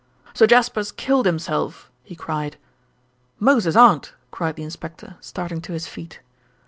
"Sir Jasper's killed himself," he cried. "Moses' aunt!" cried the inspector, starting to his feet.